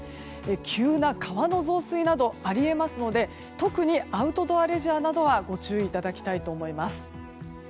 急な川の増水などあり得ますので特にアウトドアレジャーなどはご注意いただきたいと思います。